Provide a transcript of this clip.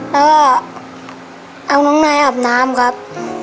แล้วก็เอาน้องนายอาบน้ำครับ